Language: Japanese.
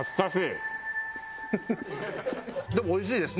でもおいしいです。